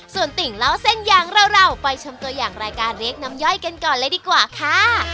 ส่วนติ่งเล่าเส้นอย่างเราไปชมตัวอย่างรายการเรียกน้ำย่อยกันก่อนเลยดีกว่าค่ะ